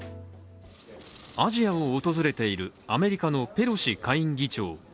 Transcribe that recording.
アジアを訪れているアメリカのペロシ下院議長。